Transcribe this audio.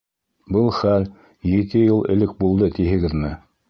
— Был хәл ете йыл элек булды, тиһегеҙме?